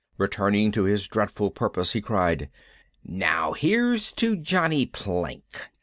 Returning to his dreadful purpose he cried: "Now here's to Johnny Plank!"